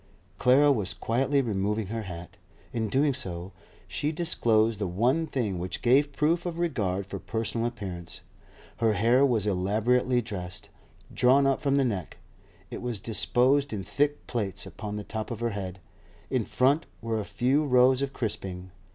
Clara was quietly removing her hat. In doing so, she disclosed the one thing which gave proof of regard for personal appearance. Her hair was elaborately dressed. Drawn up from the neck, it was disposed in thick plaits upon the top of her head; in front were a few rows of crisping.